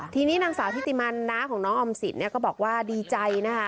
ค่ะนางสาวทิติมัณฑ์หน้าของน้องอำศิรติบอกว่าดีใจนะคะ